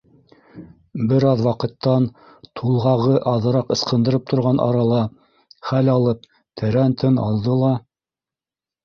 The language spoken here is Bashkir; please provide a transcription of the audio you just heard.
Бер аҙ ваҡыттан, тулғағы аҙыраҡ ысҡындырып торған арала хәл алып, тәрән тын алды ла.